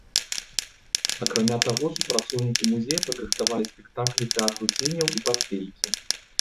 Акрамя таго, супрацоўнікі музея падрыхтавалі спектаклі тэатру ценяў і батлейкі.